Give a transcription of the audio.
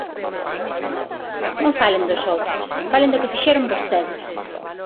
Non falen dos outros, falen do que fixeron vostedes.